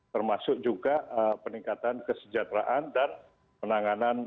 termasuk juga peningkatan kesejahteraan dan penanganan